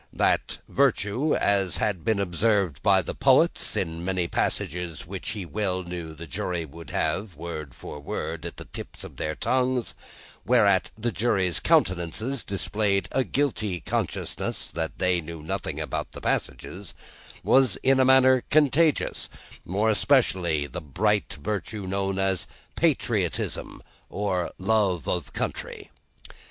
That, Virtue, as had been observed by the poets (in many passages which he well knew the jury would have, word for word, at the tips of their tongues; whereat the jury's countenances displayed a guilty consciousness that they knew nothing about the passages), was in a manner contagious; more especially the bright virtue known as patriotism, or love of country.